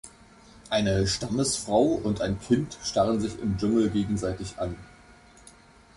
Eine Stammesfrau und ein Kind starren sich im Dschungel gegenseitig an.